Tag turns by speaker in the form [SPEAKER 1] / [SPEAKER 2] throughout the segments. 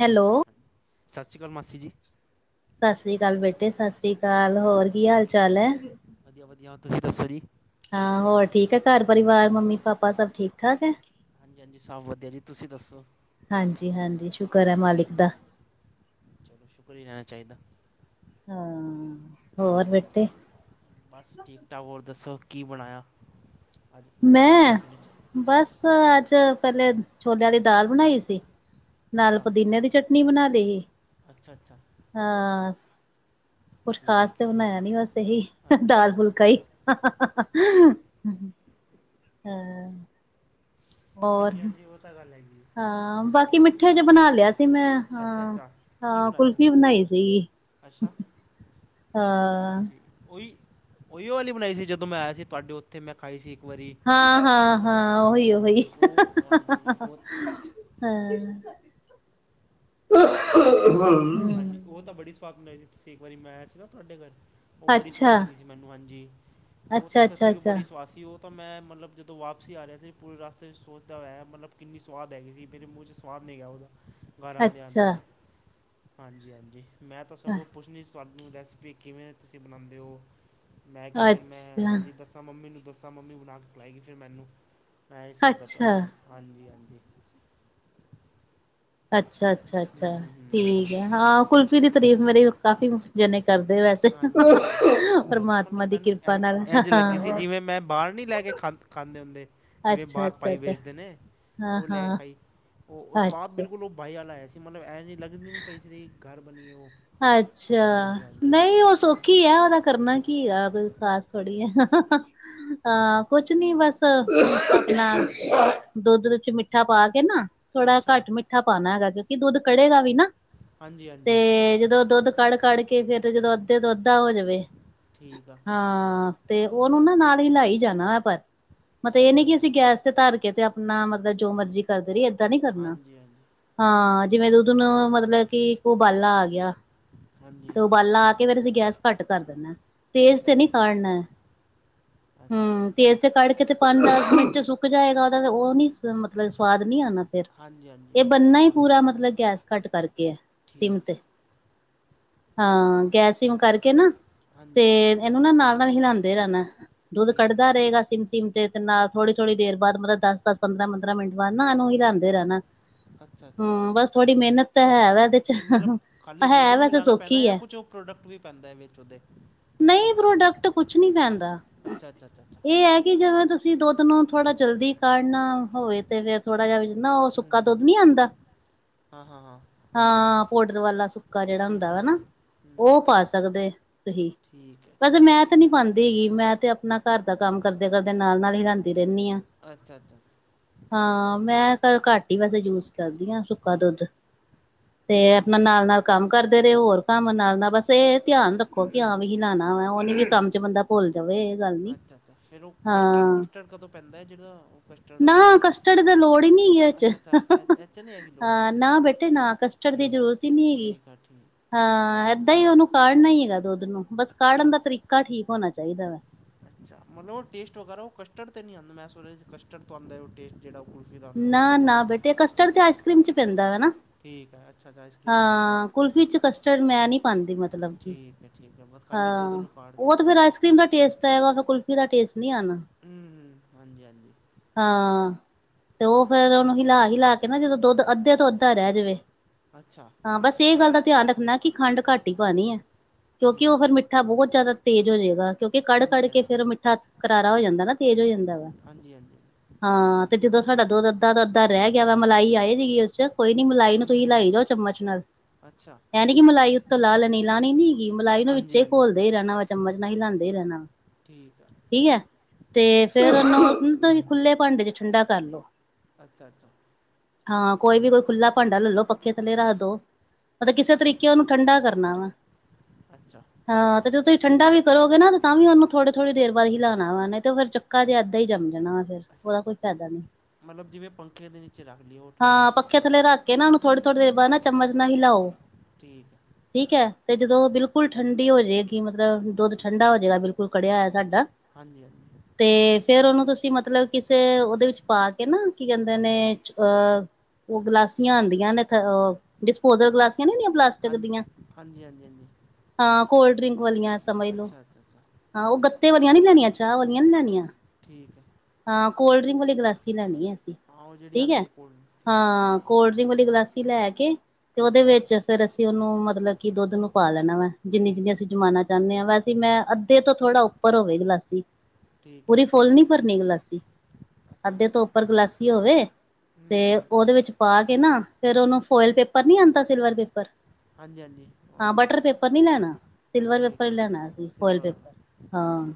[SPEAKER 1] Hello.
[SPEAKER 2] ਸਾਸੀ ਕਾਲ ਮਾਸੀ ਜੀ।
[SPEAKER 1] ਸਾਸ੍ਰੀ ਕਾਲ ਬੇਟੇ ਸਾਸ੍ਰੀ ਕਾਲ ਹੋਰ ਕੀ ਹਾਲ ਚਾਲ ਐ?
[SPEAKER 2] ਵਧੀਆ-ਵਧੀਆ ਹਾਂ, ਤੁਸੀਂ ਦੱਸੋ ਜੀ?
[SPEAKER 1] ਹਾਂ ਹੋਰ ਠੀਕ ਐ ਕਾਰ ਪਰਿਵਾਰ ਮੰਮੀ ਪਾਪਾ ਸਭ ਠੀਕ ਠਾਕ ਐ?
[SPEAKER 2] ਹਾਂਜੀ-ਹਾਂਜੀ ਸਾਵ ਵਧੀਆ ਜੀ, ਤੁਸੀਂ ਦੱਸੋ?
[SPEAKER 1] ਹਾਂਜੀ-ਹਾਂਜੀ ਸ਼ੁਕਰ ਐ ਮਾਲਿਕ ਦਾ।
[SPEAKER 2] ਚਲੋ ਸ਼ੁਕਰ ਈ ਰੇਹਣਾ ਚਾਹੀਦਾ।
[SPEAKER 1] ਹਾਂ, ਹੋਰ ਵੇਟੇ?
[SPEAKER 2] ਬਾੱਸ ਟੀਕ-ਟਾਕ ਓਰ ਦੱਸੋ ਕੀ ਬਣਾਏਆ, ਆੱਜ ਕਾਣੇ ਪੀਣੇ ਚ
[SPEAKER 1] ਬਾਸ ਆਜ ਪੈਲੇ ਛੋਲੇਆਂ ਦੀ ਦਾਲ ਬਣਾਈ ਸੀ ਨਾਲ
[SPEAKER 2] ਅੱਛਾ
[SPEAKER 1] ਪੋਦੀਨੇ ਦੀ ਚਟਨੀ ਬਣਾ ਲਹੀ ਹੀ।
[SPEAKER 2] ਅੱਛਾ ਅੱਛਾ
[SPEAKER 1] ਹਾਂ, ਕੁਛ ਖਾਸ
[SPEAKER 2] ਠੀਕ
[SPEAKER 1] ਤੇ
[SPEAKER 2] ਹੈ
[SPEAKER 1] ਬਣਾਇਆ ਨੀ ਬਸ ਏਹੀ
[SPEAKER 2] ਅੱਛਾ
[SPEAKER 1] ਦਾਲ
[SPEAKER 2] ਅੱਛਾ
[SPEAKER 1] ਫੁਲ ਕਈ ਹੂੰ।
[SPEAKER 2] ਹਾਂਜੀ-ਹਾਂਜੀ ਉਹ ਤਾਂ ਗੱਲ ਹੈਗੀ ਏ।
[SPEAKER 1] ਹਾਂ ਬਾਕੀ ਮਿੱਠੇ ਚ ਬਣਾ ਲੇਆ ਸੀ ਮੈਂ
[SPEAKER 2] ਹੈ। ਅੱਛਾ
[SPEAKER 1] ਹਾਂ,
[SPEAKER 2] ਅੱਛਾ ਕੀ
[SPEAKER 1] ਹਾਂ
[SPEAKER 2] ਬਣਾਇਆ ਸੀ
[SPEAKER 1] ਕੁਲਫੀ
[SPEAKER 2] ਮਿੱਠੇ
[SPEAKER 1] ਬਣਾਈ ਸੀਗੀ।
[SPEAKER 2] 'ਚ ਅੱਛਾ,
[SPEAKER 1] ਹਾਂ
[SPEAKER 2] ਹਾਂਜੀ ਓਈ ਉਈਓ ਵਾਲੀ ਬਣਾਈ ਸੀ, ਜਦੋਂ ਮੈਂ ਆਏਆ ਸੀ ਤੁਹਾਡੇ ਉੱ ਉੱਥੇ ਮੈਂ ਖਾਈ ਸੀ ਇੱਕ ਵਾਰੀ,
[SPEAKER 1] ਹਾਂ ਹਾਂ
[SPEAKER 2] ਯਾਦ ਏ?
[SPEAKER 1] ਹਾਂ ਉਹੀ ਉਹੀ
[SPEAKER 2] ਹਾਂਜੀ-ਹਾਂਜੀ ਉਹ ਓ ਹਾਂਜੀ ਉਹ
[SPEAKER 1] ਹਾਂ।
[SPEAKER 2] ਹਾਂਜੀ ਉਹ ਤਾਂ ਬੜੀ ਸਵਾਦ ਬਣਾਈ ਸੀ ਤੁਸੀਂ ਇੱਕ ਵਾਰੀ ਮੈਂ ਆਇਆ ਸੀ ਨਾ ਤੁਹਾਡੇ ਘਰ। ਓ ਬੜੀ ਸਵਾਦ
[SPEAKER 1] ਅੱਛਾ
[SPEAKER 2] ਲੱਗੀ ਸੀ ਮੈਨੂੰ, ਹਾਂਜੀ। ਉਹ ਤਾਂ,
[SPEAKER 1] ਅੱਛਾ ਅੱਛਾ
[SPEAKER 2] ਸੱਚੀ ਓ
[SPEAKER 1] ਅੱਛਾ
[SPEAKER 2] ਬੜੀ ਸਵਾਦ ਸੀ। ਓ ਤਾਂ ਮੈਂ ਮਤਲਬ ਜਦੋਂ ਵਾਪਸੀ, ਆ ਰਿਆ ਸੀ, ਪੂਰੇ ਰਿਸਤੇ 'ਚ ਸੋਚਦਾ ਆਯਾ, ਮਤਲਬ ਕਿੰਨੀ ਸਵਾਦ ਹੈਗੀ ਸੀ, ਮੇਰੇ ਮੂੰਹ 'ਚ ਸੁਵਾਦ ਨਹੀਂ ਗਿਆ ਉਹਦਾ, ਘਰ ਆਦੇ- ਆਦੇ-
[SPEAKER 1] ਅੱਛਾ
[SPEAKER 2] ਆਦੇ। ਹਾਂਜੀ ਹਾਂਜੀ ਮੈਂ ਤਾਂ ਸਗੋਂ ਪੁੱਛਣੀ ਤੁਹਾਨੂੰ ਰੈਸਪੀ ਕਿਵੇਂ ਤੁਸੀਂ ਬਣਾਉਂਦੇ ਓ। ਮੈਂ ਕੇਹਾ
[SPEAKER 1] ਅੱਛਾ
[SPEAKER 2] ਫੇਰ ਮੈਂ,
[SPEAKER 1] ਅੱਛਾ
[SPEAKER 2] ਹਾਂਜੀ ਦੱਸ ਮੰਮੀ ਨੂੰ ਦੱਸਾਂ ਮੰਮੀ ਬਣਾ ਕੇ ਖਿਲਾਏਗੀ ਫੇਰ ਮੈਨੂੰ, ਮੈਂ ਇਹ ਸੋਚਦਾ ਪਿਆ
[SPEAKER 1] ਅੱਛਾ
[SPEAKER 2] ਸੀ ਹਾਂਜੀ-ਹਾਂਜੀ।
[SPEAKER 1] ਅੱਛਾ-ਅੱਛਾ-ਅੱਛਾ
[SPEAKER 2] ਹੂੰ ਹੂੰ ਹੂੰ
[SPEAKER 1] ਠੀਕ ਏ ਹਾਂ। ਕੁਲਫੀ ਦੀ ਤਰੀਫ਼ ਮੇਰੇ ਕਾਫੀ ਜਨੇ ਕਰਦੇ ਏ ਵੈਸੇ,
[SPEAKER 2] ਹਾਂਜੀ ਹਾਂਜੀ ਹਾਂ ਉਹ ਤਾਂ
[SPEAKER 1] ਪਰਮਾਤਮਾ
[SPEAKER 2] ਮਤਲਬ
[SPEAKER 1] ਦੀ
[SPEAKER 2] ਮੈਨੂੰ
[SPEAKER 1] ਕਿਰਪਾ
[SPEAKER 2] ਐਵੇਂ-
[SPEAKER 1] ਨਾਲ
[SPEAKER 2] ਇੰਝ ਲੱਗੀ ਸੀ ਜਿਵੇਂ ਮੈਂ ਬਾਹ ਪਾਣੀ ਲੈ ਕੇ ਖਾਂ ਖਾਂਦੇ ਹੁੰਦੇ ਜਿਵੇਂ
[SPEAKER 1] ਅੱਛਾ
[SPEAKER 2] ਬਾਹਰ
[SPEAKER 1] ਅੱਛਾ
[SPEAKER 2] ਪਾਈ
[SPEAKER 1] ਅੱਛਾ
[SPEAKER 2] ਵੇਚਦੇ ਨੇ
[SPEAKER 1] ਹਾਂ
[SPEAKER 2] ਉਹ ਲੈ ਕੇ
[SPEAKER 1] ਹਾਂ
[SPEAKER 2] ਖਾਈ ਉਹ ਸਵਾਦ
[SPEAKER 1] ਅੱਛਾ
[SPEAKER 2] ਬਿਲਕੁਲ ਉਹ ਭਾਈ ਵਾਲਾ ਆਇਆ ਸੀ ਮਤਲਬ ਐਂ ਲਗਦੀ ਨਹੀਂ ਪਈ ਸੀ ਘਰ ਬਣੀ ਜਾਏ ਉਹ
[SPEAKER 1] ਅੱਛਾ
[SPEAKER 2] ਹਾਂਜੀ ਹਾਂਜੀ
[SPEAKER 1] ਨਹੀਂ
[SPEAKER 2] ਹਾਂਜੀ
[SPEAKER 1] ਉਹ ਸੌਖੀ ਕੀ ਆ ਉਹਦਾ ਕਰਨਾ ਕੀ ਹੈ ਖਾਸ ਥੋੜ੍ਹੀ ਆ ਹਾਂ ਕੁਛ ਨੀ ਬਸ ਨਾ
[SPEAKER 2] ਅੱਛਾ ਅੱਛਾ
[SPEAKER 1] ਦੁੱਧ ਚ ਮਿੱਠਾ ਪਾ ਕੇ ਨਾ ਥੋੜਾ
[SPEAKER 2] ਅੱਛਾ
[SPEAKER 1] ਘੱਟ ਮਿੱਠਾ ਮਿਠਾ ਪਾਉਣਾ ਹੈਗਾ ਕਿਉਂਕਿ ਦੁੱਧ ਕੜੇਗਾ ਵੀ ਨਾ
[SPEAKER 2] ਹਾਂਜੀ ਹਾਂਜੀ
[SPEAKER 1] ਤੇ ਜਦੋਂ ਦੁੱਧ ਕੜ ਕੜ ਕੇ ਫੇਿਰ ਜਦੋਂ ਅੱਧੇ ਤੋਂ ਅੱਧਾ ਹੋ ਜਾਵੇ
[SPEAKER 2] ਠੀਕ ਆ
[SPEAKER 1] ਹਾਂ ਤੇ ਉਹਨੂੰ ਨਾ ਨਾਲ ਹੀ ਹਿਲਾਈ ਜਾਣਾ ਵ ਪਰ ਮਤਲਬ ਇਹ
[SPEAKER 2] ਅੱਛਾ
[SPEAKER 1] ਨੀ ਕਿ
[SPEAKER 2] ਅੱਛਾ
[SPEAKER 1] ਅਸੀਂ
[SPEAKER 2] ਅੱਛਾ
[SPEAKER 1] ਗੈਸ ਧਰ ਕੇ ਤੇ ਆਪਣਾ ਮਤਲਬ ਜੋ ਮਰਜ਼ੀ ਕਰਦੇ ਰਹੀ ਏਦਾਂ ਨੀ ਕਰਨਾ
[SPEAKER 2] ਹਾਂਜੀ ਹਾਂਜੀ
[SPEAKER 1] ਹਾਂ ਜਿਵੇਂ ਕਿ ਦੁੱਧ ਨੂੰ ਮਤਲਬ ਕਿ ਇੱਕ ਉਬਾਲਾ ਆ ਗਿਆ
[SPEAKER 2] ਹਾਂਜੀ
[SPEAKER 1] ਤੇ ਉਬਾਲਾ ਆ ਕੇ ਫੇਰ ਅਸੀਂ ਗੈਸ ਘੱਟ ਕਰ ਦਿੰਨਾ ਤੇਜ਼
[SPEAKER 2] ਠੀਕ ਆ
[SPEAKER 1] ਤੇ ਨਹੀਂ
[SPEAKER 2] ਠੀਕ
[SPEAKER 1] ਕਢਨਾ
[SPEAKER 2] ਅੱਛਾ ਅੱਛਾ
[SPEAKER 1] ਤੇਜ਼ ਤੇ ਕੱਢ ਕੇ ਤੇ ਪੰਜ ਦ ਮਿੰਟ ਚ ਸੁੱਕ ਜਾਏਗਾ ਉਹਦਾ ਤੇ ਉਹ ਨੀ ਮਤਲਬ ਸਵਾਦ ਨੀ ਆਨਾ ਫਿਰ,
[SPEAKER 2] ਹਾਂਜੀ ਹਾਂਜੀ
[SPEAKER 1] ਇਹ
[SPEAKER 2] ਉਹ ਫਿਰ
[SPEAKER 1] ਬੰਨਾ ਹੀ
[SPEAKER 2] ਸਵਾਦ
[SPEAKER 1] ਪੂਰਾ ਮਤਲਬ ਗੈਸ ਘੱਟ ਕਰਕੇ ਹੈ ਸੀਮ
[SPEAKER 2] ਠੀਕ ਹੈ
[SPEAKER 1] ਤੇ ਹਾਂ ਗੈਸ ਸਿਮ ਕਰਕੇ ਨਾ ਤੇ
[SPEAKER 2] ਹਾਂਜੀ
[SPEAKER 1] ਐਨੂੰ ਨਾ ਨਾਲ-ਨਾਲ ਹਿਲਾਂਦੇ ਰੈਣਾ। ਦੁੱਧ
[SPEAKER 2] ਠੀਕ ਹੈ
[SPEAKER 1] ਕੱੜਦਾ ਰਹੇਗਾ ਸਿਮ-ਸਿਮ ਤੇ। ਤੇ ਨਾਲ ਥੋੜੀ-ਥੋੜ੍ਹੀ ਦੇਰ ਬਾਦ ਮਤਲਬ ਦਸ-ਦਸ ਪੰਦਰਾ -ਪੰਦਰਾਂ ਮਿੰਟ ਬਾਦ ਨਾ ਇਨੂ‌ ਹੀਲਾਂਦੇ ਰੈਣਾ।
[SPEAKER 2] ਅੱਛਾ ਅੱਛਾ
[SPEAKER 1] ਹਮ ਬਸ ਥੋੜ੍ਹੀ ਮਿਹਨਤ ਤਾਂ ਹੈ ਵਾ ਇਹਦੇ ਚ
[SPEAKER 2] ਨਹੀਂ ਮਤਲਬ ਖਾਲੀ ਦੁੱਧ
[SPEAKER 1] ਹੈ
[SPEAKER 2] ਨੂੰ ਹੀ
[SPEAKER 1] ਵੈਸੇ
[SPEAKER 2] ਹਿਲੋਣਾ ਪੈਣਾ
[SPEAKER 1] ਸੌਖੀ
[SPEAKER 2] ਜਾਂ
[SPEAKER 1] ਹੈ
[SPEAKER 2] ਕੁਛ ਉਹ ਪ੍ਰੋਡਕਟ ਵੀ ਪੈਂਦਾ ਹੈ ਵਿੱਚ ਉਹਦੇ
[SPEAKER 1] ਨਹੀਂ ਪ੍ਰੋਡਕਟ ਕੁਛ ਨਹੀਂ ਪੈਂਦਾ
[SPEAKER 2] ਅੱਛਾ ਅੱ
[SPEAKER 1] ਇਹ ਹੈ ਕਿ ਜਿਵੇਂ ਤੁਸੀਂ ਦੁੱਧ ਨੂੰ ਥੋੜਾ ਜਲਦੀ ਕਾਢਨਾ ਹੋਵੇ ਤੇ ਫੇ ਥੋੜਾ ਜਿਹਾ ਉਹ
[SPEAKER 2] ਹੂੰ
[SPEAKER 1] ਸੁੱਕਾ ਦੁੱਧ
[SPEAKER 2] ਹੂੰ
[SPEAKER 1] ਨੀ ਆਉਂਦਾ
[SPEAKER 2] ਹਾਂ ਹਾਂ ਹਾਂ ਹਮ
[SPEAKER 1] ਹਾਂ ਪੋਡਰ ਵਾਲਾ ਸੁੱਕ ਜਿਹੜਾ
[SPEAKER 2] ਹੂੰ
[SPEAKER 1] ਹੁੰਦਾ
[SPEAKER 2] ਹੂੰ
[SPEAKER 1] ਵਾ ਨਾ
[SPEAKER 2] ਹੂੰ ਹੂੰ
[SPEAKER 1] ਉਹ ਪਾ ਸਕਦੇ ਤੁਸੀਂ
[SPEAKER 2] ਠੀਕ ਹੈ ਠੀਕ
[SPEAKER 1] ਵੈਸੇ ਮੈਂ ਤੇ ਨੀ ਪਾਉਦੀ ਹੈਗੀ ਮੈਂ ਤੇ ਆਪਣਾ ਘਰ ਦਾ ਕੰਮ ਕਰਦੇ ਕਰਦੇ ਨਾਲ ਨਾਲ ਹੀ ਲਦੀ ਰਹਿੰਦੀ ਹਾਂ
[SPEAKER 2] ਅੱਛਾ ਅੱਛਾ ਅੱਛਾ
[SPEAKER 1] ਹਾਂ ਮੈਂ ਕ ਘੱਟ ਹੀ ਵੈਸੇ ਯੂਜ ਕਰਦੀ ਹਾਂ ਸੁੱਕਾ
[SPEAKER 2] ਠੀਕ
[SPEAKER 1] ਦੁੱਧ ਤੇ
[SPEAKER 2] ਹੂੰ
[SPEAKER 1] ਆਪਣਾ ਨਾਲ ਨਾਲ ਕੰਮ ਕਰਦੇ ਰਹੇ ਹੋਰ ਕੰਮ ਨਾਲ ਨਾਲ ਬਸ ਇਹ ਧਿਆਨ ਰੱਖੋ ਆ ਵੀ ਹੀ ਲੈਣਾ ਵਾ ਉਹ ਨੀ ਵੀ ਕੰਮ ਚ ਬੰਦਾ ਭੁੱਲ ਜਾਵੇ ਇਹ ਗੱਲ ਨੀ
[SPEAKER 2] ਅੱਛਾ ਅੱਛਾ ਫਿਰ ਉਹ ਕਸਟਰਡ
[SPEAKER 1] ਹਾਂ
[SPEAKER 2] ਕੁਸਟਰਡ ਕਦੋਂ ਪੈਂਦਾ ਹੈ ਜਿਹੜਾ ਉਹ ਕਸਟਰਡ
[SPEAKER 1] ਨਾ ਕਸਟਡ ਦੀ ਲੋੜ ਹੀ ਨਹੀਂ ਇਹ ਚ
[SPEAKER 2] ਅੱਛਾ ਅੱਛਾ ਐ- ਇਹ 'ਚ ਨਹੀਂ ਹੈਗੀ ਲੋੜ
[SPEAKER 1] ਹਾਂ ਨਾ ਬੇਟੇ ਨਾ ਕਸਟਰਡ ਦੀ ਜ਼ਰੂਰਤ ਹੀ
[SPEAKER 2] ਠੀਕ
[SPEAKER 1] ਨਹੀਂ ਹੈਗੀ
[SPEAKER 2] ਠੀਕ ਆ ਠੀਕ
[SPEAKER 1] ਹਾਂ ਏਦਾਂ ਹੀ ਉਹਨੂੰ ਕਾਢਨਾ ਹੀਈ ਹੈਗਾ ਦੁੱਧ ਨੂੰ ਬਸ
[SPEAKER 2] ਅੱਛਾ
[SPEAKER 1] ਕਾਢਨ ਦਾ ਤਰੀਕਾ ਠੀਕ ਹੋਣਾ ਚਾਹੀਦਾ ਵਾ
[SPEAKER 2] ਅੱਛਾ ਮਤਲਬ ਉਹ ਟੇਸਟ ਵਗੈਰਾ ਉਹ ਕਸਟਟਰਡਤੇ ਨਹੀਂ ਆਉਂਦਾ ਮੈਂ ਸੋਚ ਰਿਹਾ ਸੀ ਕਸਟਰਡ ਤੋਂ ਆਉਂਦਾ ਉਹ ਟੇਟ ਜਹੜਾ ਕੁਲਫੀ ਦਾ ਆਉਂਦਾ
[SPEAKER 1] ਨਾ ਨਾ ਬੇਟੇ
[SPEAKER 2] ਹੈ ਅੱਛਾ
[SPEAKER 1] ਕਸਟਰਡ ਤੇ
[SPEAKER 2] ਅੱਛਾ
[SPEAKER 1] ਆਈਸ
[SPEAKER 2] ਅੱਛਾ
[SPEAKER 1] ਕਰ੍ਰੀਮ ਚ ਪੈਂਦਾ ਵਾ ਨਾ
[SPEAKER 2] ਠੀਕ ਹੈ ਅੱਛਾ ਅੱਛਾ ਆਸ ਕਰੀਮ ਚੁਪ
[SPEAKER 1] ਹਾਂ ਕੁਲਫੀ ਚ ਕਸਟਰਡ ਮੈਂ ਨਹੀਂ ਪਾਉਦੀ ਮਤਲਬ ਕਿ
[SPEAKER 2] ਠੀਕ ਹੈ ਠੀਕ ਹੈ ਬਸ ਖਾਲੀ ਦੁੱਧ
[SPEAKER 1] ਹਾਂ
[SPEAKER 2] ਨੂੰ ਕਾੜ ਕੇ
[SPEAKER 1] ਉਹ ਤੇ ਫੇਰ ਦਾ ਟਸਟ ਆਗਾ ਫਿਰ ਕੁਲਫੀ ਦਾ ਟਸਟ ਨੀ ਆਉਣਾ
[SPEAKER 2] ਹੂੰ ਹੂੰ ਹਾਂਜੀ ਹਾਂਜੀ।
[SPEAKER 1] ਹਾਂ। ਤੇ ਉਹ ਫੇਰ ਉਹਨੂੰ ਹਿਲਾ ਹਿਲਾ ਕੇ ਨਾ ਜਦੋਂ ਦੁੱਧ ਅੱਧੇ ਤੋਂ ਅੱਧਾ ਰਹਿ ਜਾਵੇ।
[SPEAKER 2] ਅੱਛਾ
[SPEAKER 1] ਹਾਂ ਬਸ ਇਹ ਗੱਲ ਦਾ ਧਿਆਨ ਰੱਖਣਾ ਕਿ ਖੰਡ ਘੱਟ ਹੀ ਪਾਉਣੀ ਹੈ। ਕਿਉਂਕਿ ਉਹ
[SPEAKER 2] ਠੀਕ
[SPEAKER 1] ਫਿਰ ਮਿੱਠਾ ਬਹੁਤ ਜ਼ਿਆਦਾ ਤੇਜ਼ ਹੋ ਜਾਏਗਾ ਕਿਉਂਕਿ ਕੜ ਕੜ
[SPEAKER 2] ਹਾਂਜੀ
[SPEAKER 1] ਕੇ ਫੇਰ
[SPEAKER 2] ਹਾਂਜੀ
[SPEAKER 1] ਉਹ ਮਿੱਠਾ ਕਰਾਰਾ ਹੋ ਜਾਂਦਾ ਨਾ ਤੇਜ਼ ਹੋ ਜਾਂਦਾ ਵਾ
[SPEAKER 2] ਹਾਂਜੀ ਹਾਂਜੀ
[SPEAKER 1] ਹਾਂ ਤੇ ਜਦੋਂ ਸਾਡਾ ਦੁੱਧ ਅੱਧਾ ਤੋਂ ਅੱਧਾ ਰਹਿ ਗਿਆ ਵਾ ਮਲਾਈ ਆਏ ਸੀਗੀ ਉਸ ਚ। ਕੋਈ ਨੀ ਮਲਾਈ ਨੂੰ
[SPEAKER 2] ਹੂੰ
[SPEAKER 1] ਤੁਸੀਂ ਲਾਈ
[SPEAKER 2] ਹੂੰ
[SPEAKER 1] ਜਾਓ ਚਮਚ ਨਾਲ।
[SPEAKER 2] ਅੱਛਾ।
[SPEAKER 1] ਹੈ ਨੀ ਕਿ ਮਲਾਈ ਉੱਤੋਂ ਲਾ ਲੈਣੀ ਲਾ ਨੀਗੀ ਮਲਾਈ ਨੂੰ ਵਿੱਚ
[SPEAKER 2] ਹਾਂਜੀ
[SPEAKER 1] ਹੀ
[SPEAKER 2] ਹਾਂਜੀ
[SPEAKER 1] ਘੋਲਦੇ ਹੀ ਰਹਿਣਾ ਵਾ। ਚਮਚ ਨਾਲ ਹੀ ਹਿਲਾਉਂਦੇ ਰਹਿਣਾ।
[SPEAKER 2] ਠੀਕ ਆ।
[SPEAKER 1] ਠੀਕ ਹੈ ਤੇ ਫੇਰ ਉਹਨੂੰ ਤੁਸੀਂ ਖੁੱਲੇ ਭਾਂਡੇ ਚ ਠੰਡਾ ਕਰ ਲੋ।
[SPEAKER 2] ਅੱਛਾ ਅੱਛਾ।
[SPEAKER 1] ਹਾਂ ਕੋਈ ਵੀ ਕੋਈ ਖੁੱਲ੍ਹਾ ਭਾਂਡਾ ਲੈ ਲੋ ਪੱਖੇ ਥੱਲੇ ਰੱਖ ਦੋ ਮਤਲਬ ਕਿਸੇ ਤਰੀਕੇ ਕਿ ਉਹਨੂੰ ਠੰਡਾ ਕਰਨਾ ਵਾ
[SPEAKER 2] ਅੱਛਾ
[SPEAKER 1] ਹਾਂ। ਤਾਂ ਜਦ ਤੁਸੀਂ ਠੰਡਾ ਵੀ ਕਰੋਗੇ ਨਾ ਤਾਂ ਵੀ ਉਹਨੂੰ ਥੋੜ੍ਹੀ ਥੋੜ੍ਹੀ ਦੇਰ ਬਾਦ ਹੀ ਲਉਣਾ ਵਾ ਨੇ ਤੇ ਫਿਰ ਚੱਕ ਜੇ ਇੱਦਾਂ ਹੀ ਜ ਜਾਣਾ ਵਾ ਫਿਰ।
[SPEAKER 2] ਅੱਛਾ
[SPEAKER 1] ਉਹਦਾ ਕੋਈ
[SPEAKER 2] ਅੱਛਾ
[SPEAKER 1] ਫਾਇਦਾ ਨਹੀਂ
[SPEAKER 2] ਮਤਲਬ ਜਿਵੇਂ ਪੰਖੇ ਦੇ ਨੀਚੇ ਰੱਖ ਲਈਏ ਉਹ। ਠੰਡਾ ਹੋ
[SPEAKER 1] ਹਾਂ
[SPEAKER 2] ਜਾਊਗਾ
[SPEAKER 1] ਪੱਖੇ
[SPEAKER 2] ਫਿਰ
[SPEAKER 1] ਥੱਲੇ ਰੱਖ ਕੇ ਨਾ ਉਹਨੂੰ ਥੋੜੀ
[SPEAKER 2] ਹਮ
[SPEAKER 1] ਥੋੜੀ ਦੇਰ
[SPEAKER 2] ਹਮ
[SPEAKER 1] ਬਾਅਦ ਨਾ ਚਮਚ ਨਾਲ ਹਾ ਹਿਲਾਓ।
[SPEAKER 2] ਠੀਕ ਹੈ
[SPEAKER 1] ਠੀਕ ਹੈ ਤੇ ਜਦੋਂ ਬਿਲਕੁਲ ਠੰਡੀ ਹੋ ਜਾਏਗੀ ਮਤਲਬ ਦੁੱਧ
[SPEAKER 2] ਹੂੰ
[SPEAKER 1] ਠੰਡਾ ਹੋ ਜਾਏਗਾ ਬਿਲਕੁਲ। ਕੜਿਆ ਹੋਇਆ ਸਾਡਾ।
[SPEAKER 2] ਹਾਂਜੀ ਹਾਂਜੀ।
[SPEAKER 1] ਅਤੇ ਫਿਰ ਉਹਨੂੰ ਤੁਸੀਂ ਮਤਲਬ ਕਿਸੇ ਉਹਦੇ ਵਿੱਚ ਪਾ ਕੇ ਨਾ ਕੀ ਕਹਿੰਦੇ ਨੇ ਅਹ ਉਹ ਗਲਾਸੀਆਂ ਆਉਂਦੀਆਂ ਨੇ ਡਿਸਪੋਜਬਲ ਗਲਾਸੀਆਂ ਨਹੀਂ ਹੁੰਦੀਆਂ ਪਲਾਸਟਿਕ
[SPEAKER 2] ਹਾਂਜੀ
[SPEAKER 1] ਦੀਆਂ
[SPEAKER 2] ਹਾਂਜੀ ਹਾਂਜੀ ਹਾਂਜੀ
[SPEAKER 1] ਹਾਂ ਕੋਲਡ ਡਰਿੰਕ ਵਾਲੀਆਂ ਸਮਝ ਲੋ
[SPEAKER 2] ਅੱਛਾ, ਅੱਛਾ, ਅੱਛਾ।
[SPEAKER 1] ਹਾਂ ਉਹ ਗੱਤੇ ਵਧੀਆ ਨੀ ਲੈਣੀਆਂ ਚਾਹ ਵਾਲੀਆ ਨੀ ਲੈਣੀਆਂ।
[SPEAKER 2] ਠੀਕ ਹੈ।
[SPEAKER 1] ਹਾਂ ਕੋਲਡ ਡਰਿੰਕ ਵਾਲੀ ਗਲਾਸੀ ਲੈਣੀ ਹੈ।
[SPEAKER 2] ਹਾਂ ਉਹ ਜਿਹੜੀ
[SPEAKER 1] ਠੀਕ ਹੈ।
[SPEAKER 2] ਆਉਂਦੀ ਕੋਲਡ ਠੀਕ ਹੈ
[SPEAKER 1] ਹਾਂ। ਕੋਲਡ ਡਰਿੰਕ ਵਾਲੀ ਗਲਾਸੀ ਲੈ ਕੇ ਤੇ ਉਹਦੇ
[SPEAKER 2] ਹੂੰ
[SPEAKER 1] ਵਿੱਚ ਫੇਰ ਅਸੀਂ ਉਹਨੂੰ ਮਤਲਬ ਦੁੱਧ ਨੂੰ ਪਾ ਲੈਣਾ ਵਾ ਜਿੰਨੀ
[SPEAKER 2] ਠੀਕ
[SPEAKER 1] ਜਿੰਨੀਆਂ
[SPEAKER 2] ਹੈ
[SPEAKER 1] ਅਸੀਂ ਜਮਾਨਾ ਚ ਚਾਹਦੇ ਹਾਂ ਵੈਸੇ ਮੈਂ ਅੱਧੇ ਤੋਂ ਥੋੜਾ ਉੱਪਰ ਹੋਵੇ ਗਲਾਸੀ।
[SPEAKER 2] ਠੀਕ ਹੈ
[SPEAKER 1] ਪੂਰੀ ਫੁੱਲ ਨੀ ਭਰਨੀ ਗਲਾਸੀ।
[SPEAKER 2] ਅੱਛਾ
[SPEAKER 1] ਅੱਧੇ
[SPEAKER 2] ਅੱਛਾ
[SPEAKER 1] ਤੋਂ ਉੱਪਰ ਗਲਾਸੀ ਹੋਵੇ ਤੇ
[SPEAKER 2] ਹੂੰ
[SPEAKER 1] ਉਹਦੇ ਵਿੱਚ ਪਾ ਕੇ ਨਾ ਫਿਰ ਉਹਨੂੰ ਫੋਇਲ ਪੇਪਰ ਨਹੀਂ ਆਂਦਾ ਸਿਲਵਰ ਪੇਪਰ
[SPEAKER 2] ਹਾਂਜੀ ਹਾਂਜੀ। ਉਹ
[SPEAKER 1] ਹਾਂ
[SPEAKER 2] ਆਉਂਦਾ
[SPEAKER 1] ਬਟਰ ਪੇਪਰ ਨੀ ਲੈਣਾ ਸਿਲਵਰ
[SPEAKER 2] ਠੀਕ
[SPEAKER 1] ਪੇਪਰ
[SPEAKER 2] ਹੈ
[SPEAKER 1] ਲੈਣਾ ਕੋਇਲ
[SPEAKER 2] ਸਿਲਵਰ
[SPEAKER 1] ਪੇਪਰ
[SPEAKER 2] ਵਾਲਾ
[SPEAKER 1] ਹਾਂ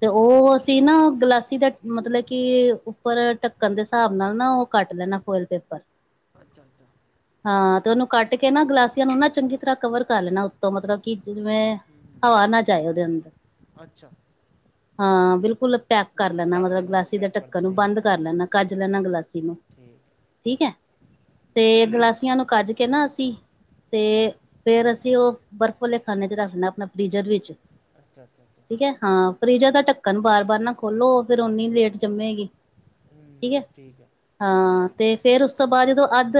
[SPEAKER 1] ਤੇ ਉਹ ਅਸੀਂ ਨਾ ਗਲਾਸੀ ਦਾ ਮਤਲਬ ਕਿ ਉੱਪਰ ਢੱਕਣ ਦੇ ਹਿਸਾਬ ਨਾਲ ਨਾ ਉਹ ਕੱਟ ਲੈਣਾ ਫੋਇਲ ਪੇਪਰ
[SPEAKER 2] ਅੱਛਾ ਅੱਛਾ।
[SPEAKER 1] ਹਾਂ ਤੇ ਉਹਨੂੰ ਕੱਟ ਕੇ ਨਾ ਗਲਾਸੀਆਂ ਨੂੰ ਨਾ ਚੰਗੀ ਤਰ੍ਹਾਂ ਕਵਰ ਕਰ ਲੈਣਾ ਉੱਤੋਂ ਮਤਲਬ ਕਿ ਜਿਵੇਂ
[SPEAKER 2] ਹੂੰ
[SPEAKER 1] ਹਵਾ ਨਾ ਜਾਏ ਉਹਦੇ ਅੰਦਰ।
[SPEAKER 2] ਅੱਛਾ।
[SPEAKER 1] ਹਾਂ ਬਿਲਕੁਲ ਪੈਕ ਕਰ
[SPEAKER 2] ਬਿਲਕੁਲ
[SPEAKER 1] ਦੇਨਾ
[SPEAKER 2] ਢੱਕ
[SPEAKER 1] ਮਤਲਬ
[SPEAKER 2] ਦੇਣਾ ਉਹਨੂੰ
[SPEAKER 1] ਗਲਾਸੀ ਦੇ
[SPEAKER 2] ਪੈਕ ਕਰ
[SPEAKER 1] ਢੱਕਣ
[SPEAKER 2] ਦੇਣਾ
[SPEAKER 1] ਨੂੰ
[SPEAKER 2] ਇੱਕ
[SPEAKER 1] ਬੰਦ
[SPEAKER 2] ਤਰ੍ਹਾਂ
[SPEAKER 1] ਕਰ ਲੈਣਾ
[SPEAKER 2] ਮਤਲਬ
[SPEAKER 1] ਕੱਜ ਲੈਣਾ ਗਲਾਸੀ ਨੂੰ
[SPEAKER 2] ਠੀਕ ਹੈ।
[SPEAKER 1] ਠੀਕ ਹੈ। ਤੇ ਗਲਾਸੀਆਂ ਨੂੰ ਕੱਜ ਕੇ ਨਾ ਅਸੀਂ ਤੇ ਫਿਰ ਅਸੀਂ ਉਹ ਬਰਫ਼ ਵਾਲੇ ਖਾਨੇ ਚ ਰੱਖਣਾ ਆਪਣਾ ਫ੍ਰਿਜਰ ਵਿੱਚ
[SPEAKER 2] ਅੱਛਾ, ਅੱਛਾ, ਅੱਛਾ।
[SPEAKER 1] ਠੀਕ ਹੈ ਹਾਂ ਫਰੀਜਰ ਦਾ ਢੱਕਣ ਬਾਰ ਬਾਰ ਨਾ ਖੋਲੋ ਫਿਰ ਓਨੀ ਲੇਟ ਜੰਮੇਗੀ।
[SPEAKER 2] ਹਮ ਠੀਕ ਆ।
[SPEAKER 1] ਹਾਂ ਤੇ ਫੇਰ ਉਸ ਤੋਂ ਬਾਅਦ ਜਦੋਂ ਅੱਧ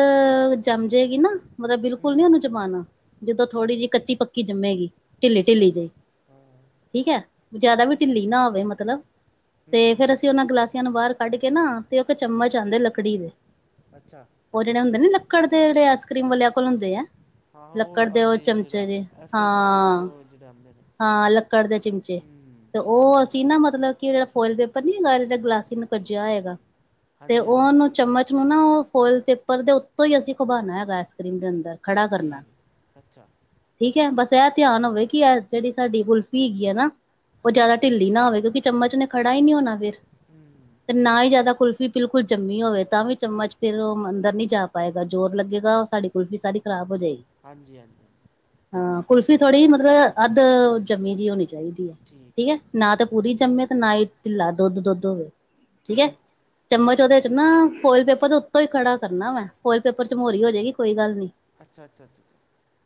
[SPEAKER 1] ਜੰਮ ਜਾਏਗੀ ਨਾ। ਮਤਲਬ ਬਿਲਕੁਲ ਨੀ ਉਹਨੂੰ
[SPEAKER 2] ਹੂੰ
[SPEAKER 1] ਜਮਾਨਾ ਜਦੋਂ
[SPEAKER 2] ਅੱਛਾ
[SPEAKER 1] ਥੋੜੀ ਜਿਹੀ ਕੱਚੀ ਪੱਕੀ ਜੰਮੇਗੀ ਢਿੱਲੀ
[SPEAKER 2] ਅੱਛਾ
[SPEAKER 1] ਢਿੱਲੀ ਜਿਹੀ।
[SPEAKER 2] ਹਾਂ
[SPEAKER 1] ਠੀਕ ਹੈ ਜਿਆਦਾ ਵੀ ਢਿੱਲੀ ਨਾ ਹੋਵੇ ਮਤਲਬ
[SPEAKER 2] ਹੂੰ
[SPEAKER 1] ਤੇ ਫੇਰ ਅਸੀਂ
[SPEAKER 2] ਹੂੰ
[SPEAKER 1] ਉਹਨਾਂ ਗਲਾਸੀਆਂ ਨੂੰ ਬਾਹਰ। ਕੱਢ ਕੇ ਨਾ ਤੇ ਉਹ ਚਮਚ ਆਉਂਦੇ ਲੱਕੜੀ ਦੇ।
[SPEAKER 2] ਅੱਛਾ
[SPEAKER 1] ਉਹ ਜਿਹੜੇ ਹੁੰਦੇ ਲੱਕੜ ਦੇ ਜਿਹੜੇ ਆਈਸਕ੍ਰੀਮ ਵਾਲਿਆਂ ਕੋਲ ਹੁੰਦੇ ਆ।
[SPEAKER 2] ਹਾਂ
[SPEAKER 1] ਲੱਕੜ ਦੇ ਉਹ
[SPEAKER 2] ਆਉਂਦੇ
[SPEAKER 1] ਚਮਚੇ
[SPEAKER 2] ਜਿਹੜਾ
[SPEAKER 1] ਜੇ
[SPEAKER 2] ਆਈਸਕ੍ਰੀਮ ਖਾਣ ਵਾਸਤੇ
[SPEAKER 1] ਹਾਂ
[SPEAKER 2] ਉਹ ਜਿਹੜੇ ਆਉਂਦੇ ਨੇ
[SPEAKER 1] ਹਾਂ ਲੱਕੜ ਦੇ ਚਮਚੇ।
[SPEAKER 2] ਹੂੰ
[SPEAKER 1] ਤੇ
[SPEAKER 2] ਸਮਝ
[SPEAKER 1] ਉਹ
[SPEAKER 2] ਗਿਆ
[SPEAKER 1] ਅਸੀਂ ਨਾ ਮਤਲਬ ਕਿ ਜਿਹੜਾ। ਫੋਇਲ ਪੇਪਰ ਨੀ ਹੈਗਾ ਜਿਹੜਾ ਗਲਾਸੀ ਨੂੰ ਕੱਜਿਆ ਹੋਏਗਾ ਤੇ
[SPEAKER 2] ਹਾਂਜੀ ਹਾਂਜੀ ਹਾਂਜੀ
[SPEAKER 1] ਉਹਨੂੰ ਚਮਚ ਨੂੰ ਨਾ ਉਹ। ਫ਼ੋਇਲ ਪੇਪਰ ਦੇ ਉੱਤੋਂ ਹੀ ਅਸੀਂ ਖੁਮਾਨਾ ਹੈਗਾ ਆਈਸ ਕਰ੍ਰੀਮ ਦੇ ਅੰਦਰ ਖੜਾ ਕਰਨਾ।
[SPEAKER 2] ਠੀਕ ਹੈ। ਅੱਛਾ
[SPEAKER 1] ਠੀਕ ਹੈ ਬਸ ਇਹ ਧਿਆਨ ਹੋਵੇ ਕਿ ਇਹ ਜਿਹੜੀ ਸਾਡੀ ਕੁਲਫੀ ਹੈਗੀ ਹੈ ਨਾ। ਉਹ
[SPEAKER 2] ਅੱਛਾ
[SPEAKER 1] ਜ਼ਿਆਦਾ ਢਿੱਲੀ ਨਾ ਹੋਵੇ ਕਿਉਂਕਿ ਚਮਚ ਨੇ ਖੜਾ ਹੀ ਨਹੀਂ ਹੋਣਾ ਫਿਰ।
[SPEAKER 2] ਹਮ
[SPEAKER 1] ਤੇ ਨਾ ਹੀ ਜਿਆਦਾ ਕੁਲਫ਼ੀ ਬਿਲਕੁਲ ਜੰਮੀ ਹੋਵੇ ਤਾਂ ਵੀ
[SPEAKER 2] ਹਾਂ
[SPEAKER 1] ਚਮਚ ਫਿਰ ਉਹ ਅੰਦਰ ਨੀ ਜਾ। ਪਾਏਗਾ ਜ਼ੋਰ ਲੱਗੇਗਾ ਸਾਡੀ ਕੁਲਫ਼ੀ ਸਾਰੀ ਖਰਾਬ ਹੋ ਜਾਏਗੀ।
[SPEAKER 2] ਹਾਂਜੀ ਹਾਂਜੀ
[SPEAKER 1] ਹਾਂ ਕੁਲਫੀ ਥੋੜ੍ਹੀ ਮਤਲਬ ਅੱਧ ਜੰਮੀ ਜਿਹੀ ਹੋਣੀ ਚਾਹੀਦੀ ਹੈ। ਠੀਕ ਹੈ ਨਾ ਤੇ ਪੂਰੀ ਜੰਮੇ ਤੇ ਨਾ ਹੀ ਢਿੱਲਾ ਦੁੱਧ ਦੁੱਧ ਹੋਵੇ ਠੀਕ ਹੈ। ਚਮਚ ਉਹਦੇ ਚ ਨਾ ਫੋਇਲ ਪੇਪਰ ਦਾ ਉੱਤੋਂ ਹੀ ਖੜਾ ਕਰਨਾ ਵੈਂ। ਫੋਇਲ ਪੇਪਰ ਚ ਮੋਹਰੀ ਹੋ ਜਾਏਗੀ ਕੋਈ ਗੱਲ ਨੀ।
[SPEAKER 2] ਅੱਛਾ, ਅੱਛਾ, ਅੱਛਾ।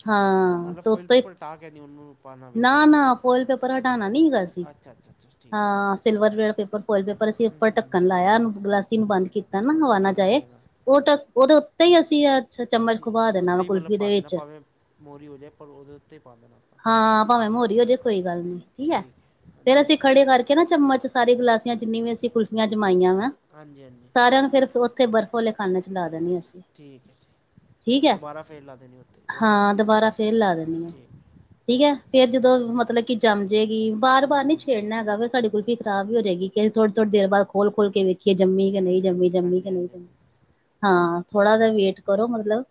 [SPEAKER 1] ਹਾਂ
[SPEAKER 2] ਮਤਲਬ
[SPEAKER 1] ਤੇ
[SPEAKER 2] ਫੋਆਇਲ
[SPEAKER 1] ਉੱਤੋਂ ਹੀ
[SPEAKER 2] ਪੇਪਰ ਹਟਾ ਕੇ ਨਹੀਂ ਉਹਨੂੰ ਪਾਉਣਾ ਵਿੱਚ
[SPEAKER 1] ਨਾ
[SPEAKER 2] ਚਮਚ।
[SPEAKER 1] ਨਾ ਫੋਇਲ ਪੇਪਰ ਹਟਾਉਣਾ ਨੀ ਹੈਗਾ ਸੀ।
[SPEAKER 2] ਅੱਛਾ ਅੱਛਾ ਅੱਛਾ ਠੀਕ ਹੈ।
[SPEAKER 1] ਹਾਂ ਸਿਲਵਰ ਪੇਪਰ ਪਇਲ ਪੇਪਰ ਅਸੀਂ
[SPEAKER 2] ਹੂੰ
[SPEAKER 1] ਉੱਪਰ
[SPEAKER 2] ਹੂੰ
[SPEAKER 1] ਢੱਕਣ ਲਾਇਆ ਉਹਨ ਗਲਾਸੀ ਨੂੰ ਬੰਦ ਕੀਤਾ
[SPEAKER 2] ਅੱਛਾ,
[SPEAKER 1] ਨਾ
[SPEAKER 2] ਉਹਨੂੰ
[SPEAKER 1] ਹਵਾ ਨਾ
[SPEAKER 2] ਟਾਣਾ
[SPEAKER 1] ਜਾਏ।
[SPEAKER 2] ਨਹੀਂ ਹੈਗਾ
[SPEAKER 1] ਉਹ ਟ ਉਹਦੇ ਉੱਤੇ ਹੀ ਅਸੀਂ। ਚਮਚ
[SPEAKER 2] ਠੀਕ
[SPEAKER 1] ਖੁਵਾ
[SPEAKER 2] ਉਹਦੇ
[SPEAKER 1] ਦੇਣਾ
[SPEAKER 2] ਉੱਤੇ
[SPEAKER 1] ਵਾ
[SPEAKER 2] ਹੀ ਮਤਲਬ
[SPEAKER 1] ਕੁਲਫ਼ੀ
[SPEAKER 2] ਪਾ
[SPEAKER 1] ਦੇ
[SPEAKER 2] ਦੇਣਾ
[SPEAKER 1] ਵਿੱਚ
[SPEAKER 2] ਭਾਵੇਂ ਮੋਹਰੀ ਹੋ ਜਾਵੇ। ਪਰ ਉਹਦੇ ਉੱਤੇ ਹੀ ਪਾ ਦੇਣਾ ਆਪਾਂ।
[SPEAKER 1] ਹਾਂ ਭਾਵੇਂ ਮੋਹਰੀ ਹੋ ਜਾਏ ਕੋਈ ਗੱਲ ਨੀ ਠੀਕ ਹੈ ਫੇਰ ਅਸੀਂ ਖੜੇ ਕਰਕੇ। ਚਮਚ ਸਾਰੀ ਗਲਾਸੀਆਂ ਜਿਨੀ ਵੀ ਅਸੀਂ ਕੁਲਫੀਆਂ ਜਮਾਈਆਂ ਵਾ।
[SPEAKER 2] ਹਾਂਜੀ ਹਾਂਜੀ
[SPEAKER 1] ਸਾਰਿਆਂ ਨੂੰ ਫਿਰ ਉੱਥੇ ਬਰਫ਼ ਵਾਲੇ ਖਾਨੇ ਚ ਲਾ ਦੇਣੀ ਅਸੀਂ।
[SPEAKER 2] ਠੀਕ ਹੈ ਠੀਕ
[SPEAKER 1] ਠੀਕ ਹੈ
[SPEAKER 2] ਦੁਬਾਰਾ ਫੇਰ ਲਾ ਦੇਣੀ ਉੱਤੇ ਉਹ ਕਰਕੇ
[SPEAKER 1] ਹਾਂ ਦੁਬਾਰਾ ਫੇਰ ਲਾ ਦੇਣੀ ਆ।
[SPEAKER 2] ਠੀਕ
[SPEAKER 1] ਠੀਕ ਹੈ ਫੇਰ ਜਦੋਂ ਮਤਲਬ ਕਿ ਜੰਮ ਜਾਏਗੀ ਬਾਰ ਬਾਰ ਨੀ
[SPEAKER 2] ਹੂੰ
[SPEAKER 1] ਛੇੜਨਾ ਹੈਗਾ ਵ। ਸਾਡੀ ਕੁਲਫੀ ਖਰਾਬ ਹੋ ਜਾਏਗੀ ਕਿ ਥੋੜੀਥੋੜੀ ਦੇਰ ਬਾਦ ਖੋਲ ਖੋਲ ਕੇ। ਕਿ ਜੰਮੀ ਕਿ ਨਹੀਂ
[SPEAKER 2] ਹੂੰ
[SPEAKER 1] ਜੰਮੀ ਜੰਮੀ
[SPEAKER 2] ਹਾਂਜੀ
[SPEAKER 1] ਕਿ
[SPEAKER 2] ਹਾਂਜੀ
[SPEAKER 1] ਨਹੀਂ ਜੰਮੀ
[SPEAKER 2] ਹਾਂਜੀ,
[SPEAKER 1] ਹਾਂ ਥੋੜਾ ਜ ਵੇਟ ਕਰੋ ਮਤਲਬ।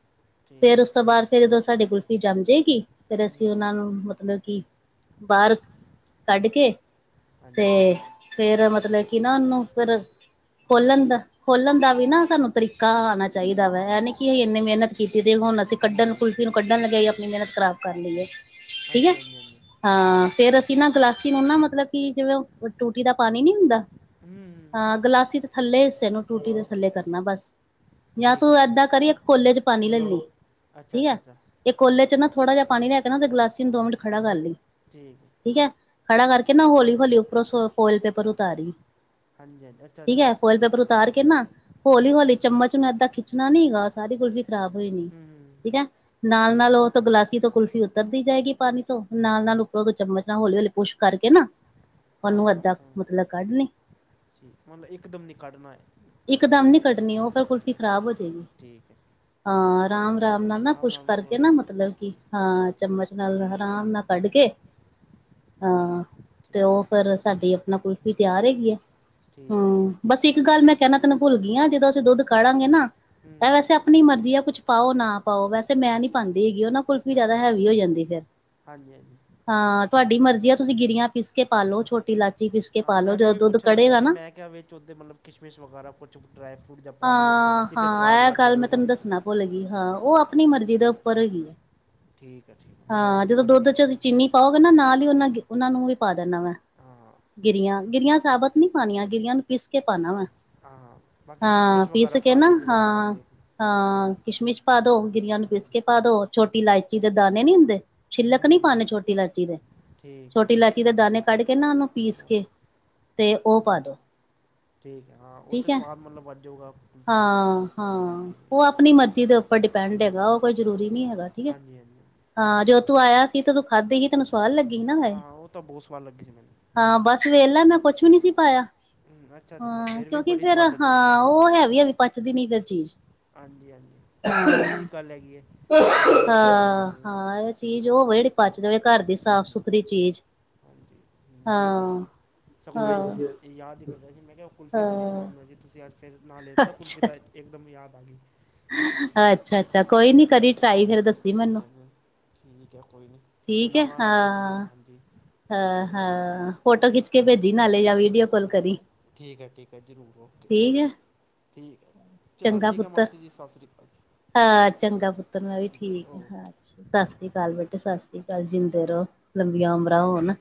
[SPEAKER 2] ਠੀਕ
[SPEAKER 1] ਫੇਰ ਉਸ ਤੋਂ ਬਾਅਦ ਫਿਰ ਜਦੋਂ ਸਾਡੀ ਗੁਲਫੀ ਜੰਮ ਜਾਏਗੀ ਫ਼ਿਰ ਅਸੀਂ
[SPEAKER 2] ਹੂੰ
[SPEAKER 1] ਉਹਨਾਂ ਨੂੰ ਮਤਲਬ ਕਿ। ਬਾਹਰ ਕੱਢ ਕੇ।
[SPEAKER 2] ਹਾਂਜੀ
[SPEAKER 1] ਤੇ ਫੇਰ ਮਤਲਬ ਕੀ ਨਾ ਉਹਨੂੰ ਫੇਰ ਖੋਲਣ ਦਾ। ਖੋਲਣ ਦਾ ਵੀ ਨਾ ਸਾਨੂੰ ਤਰੀਕਾ ਆਉਣਾ ਚਾਹੀਦਾ ਵਾ। ਇਹ ਨੀ ਕਿ ਅਸੀਂ ਇੰਨੀ ਮਿਹਨਤ ਕੀਤੀ ਤੇ ਹੁਣ। ਅਸੀਂ
[SPEAKER 2] ਹਾਂਜੀ
[SPEAKER 1] ਕੱਢਣ
[SPEAKER 2] ਹਾਂਜੀ
[SPEAKER 1] ਕੁਲਫੀ ਨੂੰ ਕੱਢਣ ਲਗਏ ਆਪਣੀ ਮਿਹਨਤ ਖ਼ਰਾਬ ਕਰ ਲਈਏ ਠੀਕ ਹੈ।
[SPEAKER 2] ਹਾਂਜੀ ਹਾਂਜੀ ਹਾਂਜੀ
[SPEAKER 1] ਹਾਂ ਫੇਰ ਅਸੀਂ ਨਾ ਗਲਾਸੀ ਨੂੰ ਨਾ ਮਤਲਬ ਕਿ ਜਿਵੇਂ ਟੂਟੀ ਦਾ ਪਾਣੀ ਨੀ ਹੁੰਦਾ।
[SPEAKER 2] ਹੂੰ
[SPEAKER 1] ਹਾਂ ਗਲਾਸੀ ਤੇ ਥੱਲੇ ਹਿੱਸੇ ਨੂੰ ਟੂਟੀ ਦੇ
[SPEAKER 2] ਅੱਛਾ
[SPEAKER 1] ਥੱਲੇ ਕਰਨਾ ਬਸ। ਜਾਂ ਤੂੰ
[SPEAKER 2] ਠੀਕ ਹੈ
[SPEAKER 1] ਏਦਾਂ
[SPEAKER 2] ਠੀਕ ਹੈ
[SPEAKER 1] ਕਰੀ ਇੱਕ ਕੋਲੇ ਚ ਪਾਣੀ ਲੈ ਲਈ
[SPEAKER 2] ਅੱਛਾ
[SPEAKER 1] ਠੀਕ
[SPEAKER 2] ਅੱਛਾ
[SPEAKER 1] ਹੈ।
[SPEAKER 2] ਅੱਛਾ
[SPEAKER 1] ਇਹ ਕੋਲੇ ਚ ਨਾ ਥੋੜਾ ਜਿਹਾ ਪਾਣੀ ਲੈ ਕੇ ਨਾ ਉਹਦੇ ਵਿੱਚ ਗਲਾਸੀ ਨੂੰ ਦੋ ਮਿੰਟ ਖੜਾ ਕਰ ਲਈ।
[SPEAKER 2] ਠੀਕ ਹੈ।
[SPEAKER 1] ਠੀਕ ਹੈ ਖੜਾ ਕਰਕੇ ਨਾ ਹੌਲੀ ਹੌਲੀ ਉੱਪਰੋਂ ਸ ਫੋਇਲ ਪੇਪਰ ਉਤਾਰੀ।
[SPEAKER 2] ਹਾਂਜੀ ਹਾਂਜੀ। ਅੱਛਾ
[SPEAKER 1] ਠੀਕ
[SPEAKER 2] ਅੱਛਾ
[SPEAKER 1] ਹੈ
[SPEAKER 2] ਅੱਛਾ ਅੱਛਾ,
[SPEAKER 1] ਫੋਇਲ ਪੇਪਰ ਉਤਾਰ ਕੇ ਨਾ ਹੌਲੀ ਹੌਲੀ ਚਮਚ ਨੂੰ ਏਦਾਂ ਖਿੱਚਣਾ ਨੀਗਾ ਸਾਰੀ ਕੁਲਫੀ। ਖ਼ਰਾਬ ਹੋਈ ਦੀ
[SPEAKER 2] ਹੂੰ ਹੂੰ,
[SPEAKER 1] ਠੀਕ ਹੈ। ਨਾਲ ਨਾਲ ਉਹ ਤੋਂ ਗਲਾਸੀ ਤੋਂ ਕੁਲਫ਼ੀ ਉੱਤਰਦੀ ਜਾਏਗੀ ਪਾਣੀ ਤੋਂ ਨਾਲ ਨਾਲ ਉੱਪਰੋਂ ਚਮਚ ਨਾਲ ਹੌਲੀ ਹੌਲੀ ਪੁੱਸ਼ ਕਰਕੇ ਨਾ।
[SPEAKER 2] ਹਾਂ
[SPEAKER 1] ਉਹਨੂੰ
[SPEAKER 2] ਹਾਂ
[SPEAKER 1] ਏਦਾਂ
[SPEAKER 2] ਸਮਝ ਗਿਆ,
[SPEAKER 1] ਮਤਲਬ ਕੱਢ ਲਈ।
[SPEAKER 2] ਮਤਲਬ ਇੱਕ ਦਮ ਨੀ ਕੱਢਨਾ ਹੈ
[SPEAKER 1] ਇਕ ਦਮ ਨੀ ਕੱਢਣੀ ਉਹ ਫੇਰ ਕੁਲਫੀ ਖ਼ਰਾਬ ਹੋ ਜੇ ਗੀ
[SPEAKER 2] ਠੀਕ ਹੈ
[SPEAKER 1] ਹਾਂ ਰਾਮ ਰਾਮ ਨਾਲ ਨਾ ਪੁਸ਼
[SPEAKER 2] ਰਾਮ ਰਾਮ
[SPEAKER 1] ਕਰਕੇ
[SPEAKER 2] ਰਾਮ
[SPEAKER 1] ਨਾ ਮਤਲਬ ਕਿ
[SPEAKER 2] ਠੀਕ
[SPEAKER 1] ਹਾਂ ਚੱਮਚ ਨਾਲ ਆਰਾਮ ਨਾਲ ਕੱਢ ਕੇ ਹਾਂ ਤੇ
[SPEAKER 2] ਠੀਕ
[SPEAKER 1] ਉਹ ਫਿਰ ਸਾਡੀ ਕੁਲਫੀ ਤਿਆਰ ਹੈਗੀ ਏ
[SPEAKER 2] ਠੀਕ ਹੈ
[SPEAKER 1] ਬਸ ਇੱਕ ਗੱਲ ਮੈਂ ਕਹਿਣਾ ਤੈਨੂੰ ਭੁੱਲ ਗਈ ਹਾਂ ਜਦੋਂ ਅਸੀਂ ਦੁੱਧ
[SPEAKER 2] ਕੀ
[SPEAKER 1] ਕਾੜਾਂਗੇ ਨਾ ਤਾਂ
[SPEAKER 2] ਹੂੰ
[SPEAKER 1] ਵੈਸੇ ਆਪਣੀ ਮਰਜ਼ੀ ਆ ਕੁਛ ਪਾਓ ਨਾ ਪਾਓ ਵੈਸੇ ਮੈਂ ਨੀ ਪਾਂਦੀ ਹੈਗੀ ਉਹ ਨਾ ਕੁਲਫੀ
[SPEAKER 2] ਅੱਛਾ ਅੱਛਾ
[SPEAKER 1] ਜਿਆਦਾ
[SPEAKER 2] ਅੱਛਾ,
[SPEAKER 1] ਹੈਵੀ ਹੋ ਜਾਂਦੀ ਫੇਰ
[SPEAKER 2] ਹਾਂਜੀ ਹਾਂਜੀ
[SPEAKER 1] ਹਾਂ ਤੁਹਾਡੀ ਮਰਜ਼ੀ ਆ ਤੁਸੀਂ ਗਿਰੀਆਂ ਪੀਸ ਕੇ ਪਾ ਲੋ ਛੋਟੀ ਇਲਾਚੀ ਪਿਸ ਕੇ ਪਾ ਲੋ ਜਦੋਂ ਦੁੱਧ
[SPEAKER 2] ਅੱਛਾ ਲੱਗਿਆ
[SPEAKER 1] ਕੜੇਗਾ
[SPEAKER 2] ਸੀ
[SPEAKER 1] ਨਾ
[SPEAKER 2] ਮੈਂ ਕਿਹਾ ਵਿਚ ਉਦੇ ਮਤਲਬ ਕਿਸ਼ਮਿਸ਼ ਵਗੈਰਾ ਕੁਛ ਡਰਾਈ ਫਰੂਟ ਜਾਂ ਪਾ ਲੀਏ
[SPEAKER 1] ਹਾਂ
[SPEAKER 2] ਕਿਤੇ ਸਵਾਦ
[SPEAKER 1] ਹਾਂ ਇਹ
[SPEAKER 2] ਵੱਧ
[SPEAKER 1] ਗੱਲ
[SPEAKER 2] ਜਾਵੇ
[SPEAKER 1] ਮੈਂ
[SPEAKER 2] ਉਹਦਾ
[SPEAKER 1] ਤੈਨੂੰ ਦੱਸਣਾ ਭੁੱਲ ਗੀ ਹਾਂ
[SPEAKER 2] ਅੱਛਾ
[SPEAKER 1] ਉਹ
[SPEAKER 2] ਅੱਛਾ
[SPEAKER 1] ਆਪਣੀ ਮਰਜ਼ੀ ਦਾ ਉੱਪਰ ਹੈਗੀ ਆ
[SPEAKER 2] ਠੀਕ ਹੈ ਠੀਕ ਹੈ। ਮਤਲਬ
[SPEAKER 1] ਹਾਂ
[SPEAKER 2] ਆਪਣੀ
[SPEAKER 1] ਜਦੋਂ
[SPEAKER 2] ਮਰਜ਼ੀ
[SPEAKER 1] ਦੁੱਧ
[SPEAKER 2] ਹੈਗੀ
[SPEAKER 1] ਚ
[SPEAKER 2] ਪਾ
[SPEAKER 1] ਅਸੀਂ ਚੀਨੀ ਪਾਓਗੇ ਨਾ ਨਾਲ ਹੀ ਉਹਨਾ ਉਹਨਾਂ ਨੂੰ ਵੀ ਪਾ ਦੇਨਾ ਵੇ ਮੈਂ
[SPEAKER 2] ਹਾਂ ਹਾਂ,
[SPEAKER 1] ਗਿਰੀਆਂ ਗਿਰੀਆਂ ਸਾਬਤ ਨੀ ਪਾਣੀਆਂ ਗਿਰੀਆਂ ਨੂੰ ਪੀਸ ਕੇ ਪਾਣਾ ਵਾ।
[SPEAKER 2] ਹਾਂ ਹਾਂ ਬਾਕੀ
[SPEAKER 1] ਹਾਂ
[SPEAKER 2] ਕਿਸ਼ਮਿਸ਼
[SPEAKER 1] ਪੀਸ
[SPEAKER 2] ਵਗੈਰਾ
[SPEAKER 1] ਕੇ
[SPEAKER 2] ਪਾ
[SPEAKER 1] ਨਾ
[SPEAKER 2] ਲੀਏ ਜਿਹੜਾ ਸਵਾਦ
[SPEAKER 1] ਹਾਂ
[SPEAKER 2] ਰੇ
[SPEAKER 1] ਹਾਂ ਕਿਸ਼ਮਿਸ਼ ਪਾ ਦੋ ਗਿਰੀਆਂ ਨੂੰ
[SPEAKER 2] ਹੂੰ,
[SPEAKER 1] ਪਿਸਕੇ ਪਾ ਦੋ ਛੋਟੀ ਇਲਾਇਚੀ ਦੇ ਦਾਣੇ ਨੀ ਹੁੰਦੇ
[SPEAKER 2] ਹੂੰ
[SPEAKER 1] ਛਿੱਲਕ ਨਹੀਂ ਪਾਣੇ
[SPEAKER 2] ਹੂੰ
[SPEAKER 1] ਛੋਟੀ ਇਲਾਇਚੀ ਦੇ
[SPEAKER 2] ਠੀਕ ਹੈ।
[SPEAKER 1] ਛੋਟੀ ਇਲਾਇਚੀ ਦੇ ਦਾਣੇੇ ਕੱਢ ਕੇ ਨਾ ਉਹਨੂੰ ਪੀਸ ਕੇ ਤੇ ਉਹ
[SPEAKER 2] ਹਮ
[SPEAKER 1] ਪਾ ਦੋ
[SPEAKER 2] ਠੀਕ ਹੈ ਹਾਂ ਉਥੇ
[SPEAKER 1] ਠੀਕ ਹੈ
[SPEAKER 2] ਸਵਾਦ ਮਤਲਬ ਵੱਜੂਗਾ।
[SPEAKER 1] ਹਾਂ ਹਾਂ ਉਹ ਆਪਣੀ ਮਰਜ਼ੀ ਦੇ ਉੱਪਰ ਡਿਪੈਂਡ ਹੈਗਾ ਉਹ ਕੋਈ ਜਰੂਰੀ ਨਹੀਂ ਹੈਗਾ ਠੀਕ ਹੈ
[SPEAKER 2] ਹਾਂਜੀ ਹਾਂਜੀ ਹੂੰ,
[SPEAKER 1] ਹਾਂ ਜਦੋਂ ਤੂੰ ਆਇਆ ਸੀ ਤੇ ਤੂੰ ਖਾਧੀ ਸੀ ਤੈਨੂੰ ਸਵਾਦ ਲੱਗੀ ਹੀ ਨਾ,
[SPEAKER 2] ਹਾਂ ਉਹ ਤਾਂ ਬਹੁਤ ਸਵਾਦ ਲੱਗੀ ਸੀ ਮੈਨੂੰ
[SPEAKER 1] ਹਾਂ ਬਸ। ਸਵੇੇਲਾ ਮੈਂ ਕੁਛ ਵੀ ਨਹੀਂ ਸੀ ਪਾਇਆ
[SPEAKER 2] ਹੂੰ, ਅੱਛਾ ਅੱਛਾ ਅੱਛਾ
[SPEAKER 1] ਹਾਂ
[SPEAKER 2] ਫਿਰ ਵੀ
[SPEAKER 1] ਕਿਉਂਕਿ
[SPEAKER 2] ਬੜੀ
[SPEAKER 1] ਫੇਰ
[SPEAKER 2] ਸਵਾਦ ਲੱਗੀ ਸੀ
[SPEAKER 1] ਹਾਂ
[SPEAKER 2] ਮੈਨੂੰ
[SPEAKER 1] ਉਹ ਹੈ ਵਧੀਆ ਵੀ ਪੱਚਦੀ ਨੀ ਫੇਰ ਚੀਜ਼
[SPEAKER 2] ਹਾਂਜੀ ਹਾਂਜੀ ਹਾਂ ਉਹ ਵੀ ਗੱਲ ਹੈਗੀ ਹੈ ਜ਼ਿਆਦਾ ਐਵੇਂ ਭੱਜਦੀ ਨਹੀਂ
[SPEAKER 1] ਹਾਂ
[SPEAKER 2] ਹੈਗੀ ਉਹ ਨਾ
[SPEAKER 1] ਹਾਂ ਚੀਜ਼ ਉਹ ਹੋਵੇ ਜਿਹੜੀ ਪਚ ਜਾਵੇ ਘਰ ਦੀ
[SPEAKER 2] ਹਾਂਜੀ
[SPEAKER 1] ਸਾਫ਼ ਸੁਥਰੀ ਚੀਜ਼
[SPEAKER 2] ਹਾਂਜੀ ਨਹੀਂ ਸਾ
[SPEAKER 1] ਹਾਂ
[SPEAKER 2] ਸਗੋਂ
[SPEAKER 1] ਹਾਂ
[SPEAKER 2] ਮੈਂ ਯਾਦ ਹੀ ਕਰਦਾ ਸੀ ਮੈਂ ਕਿਹਾ ਉਹ ਕੁਲਫੀ ਬੜੀ
[SPEAKER 1] ਹਾਂ
[SPEAKER 2] ਸਵਾਦ ਮਿਲਦੀ ਸੀ ਤੁਸੀਂ ਅੱਜ ਫਿਰ ਨਾ ਲੇ ਤਾਂ ਕੁਲਫੀ
[SPEAKER 1] ਅੱਛਾ
[SPEAKER 2] ਦਾ ਇੱਕਦਮ ਯਾਦ ਆ ਗਈ
[SPEAKER 1] ਅੱਛਾ
[SPEAKER 2] ਹਾਂ
[SPEAKER 1] ਅੱਛਾ ਕੋਈ ਨੀ ਕਰੀ ਟਰਾਈ ਫੇਰ ਦੱ
[SPEAKER 2] ਹਾਂਜੀ ਹਾਂਜੀ ਠੀਕ ਹੈ ਕੋਈ ਨਹੀਂ
[SPEAKER 1] ਠੀਕ ਹੈ
[SPEAKER 2] ਬਣਾਵਾਂ ਕਿਸੀ ਦਿਨ
[SPEAKER 1] ਹਾਂ
[SPEAKER 2] ਹਾਂਜੀ
[SPEAKER 1] ਹਾਂ
[SPEAKER 2] ਕੋਈ ਹਾਂਜੀ
[SPEAKER 1] ਹਾਂ
[SPEAKER 2] ਕੋਈ
[SPEAKER 1] ਫੋਟੋ ਖਿੱਚ
[SPEAKER 2] ਨਹੀਂ
[SPEAKER 1] ਕੇ ਭੇਜੀ ਨਾਲੇ ਯਾ ਵੀਡੀਓ ਕਾਲ ਕਰੀ
[SPEAKER 2] ਠੀਕ ਹੈ ਠੀਕ ਹੈ ਜ਼ਰੂਰ ਓਕੇ
[SPEAKER 1] ਠੀਕ ਹੈ
[SPEAKER 2] ਠੀਕ ਹੈ, ਚਲੋ
[SPEAKER 1] ਚੰਗਾ
[SPEAKER 2] ਠੀਕ ਹੈ,
[SPEAKER 1] ਪੁੱਤਰ
[SPEAKER 2] ਮਾਸੀ ਜੀ, ਸਤਿ ਸ਼੍ਰੀ ਅਕਾਲ ਜੀ।
[SPEAKER 1] ਹਾਂ ਚੰਗਾ ਪੁੱਤਰ ਮੈਂ ਵੀ ਠੀਕ ਆ ਸਤਿ ਸ੍ਰੀ ਅਕਾਲ ਬੇਟੇ ਸਤਿ ਸ੍ਰੀ ਅਕਾਲ ਜਿੰਦੇ ਰਹੋ ਲੰਬੀਆਂ ਉਮਰਾਂ ਹੋਣ